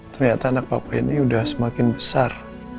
ternyata anak papa ini udah semakin besar